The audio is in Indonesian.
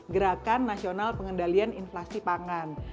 gerakan nasional pengendalian inflasi pangan